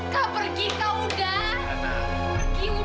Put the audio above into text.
kak pergi kak udah